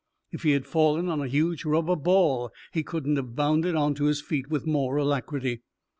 If he had fallen on a huge rubber ball, he couldn't have bounded on to his feet with more alacrity.